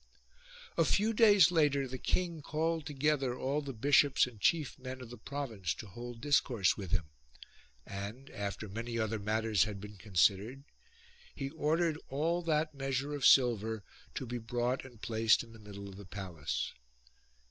A few days later the king called together all the bishops and chief men of the province to hold discourse with him ; and, after many other matters had been considered, he ordered all that measure of silver to be brought and placed in the middle of the palace.